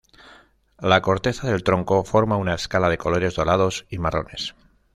La corteza del tronco forma una escala de colores dorados y marrones.